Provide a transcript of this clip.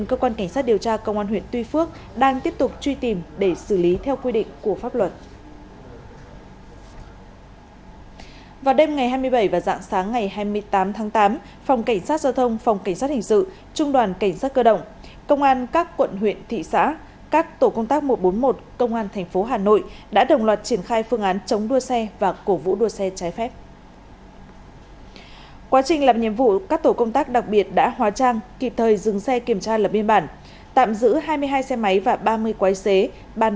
cơ quan cảnh sát điều tra công an huyện tuy phước tỉnh bình định vừa bắt giữ đối tượng nguyễn quang hải ba mươi tám tuổi trú tại thành phố nha trang tỉnh khánh hòa để điều tra và làm rõ về hành vi trộm cắp tài sản